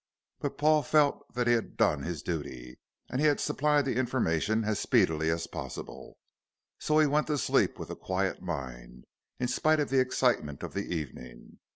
But Paul felt that he had done his duty, and had supplied the information as speedily as possible, so he went to sleep with a quiet mind, in spite of the excitement of the evening.